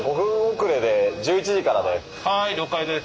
はい了解です。